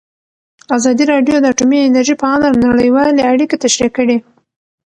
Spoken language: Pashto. ازادي راډیو د اټومي انرژي په اړه نړیوالې اړیکې تشریح کړي.